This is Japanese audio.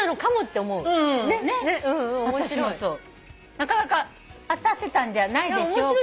なかなか当たってたんじゃないでしょうか。